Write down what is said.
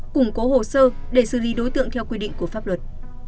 củng cố hồ sơ để xử lý đối tượng theo quy định của pháp luật